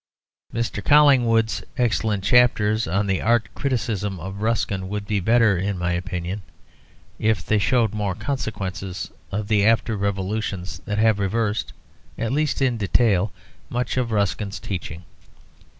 Mr. Collingwood's excellent chapters on the art criticism of Ruskin would be better, in my opinion, if they showed more consciousness of the after revolutions that have reversed, at least in detail, much of Ruskin's teaching.